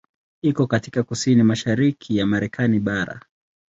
Iko katika kusini mashariki ya Marekani bara.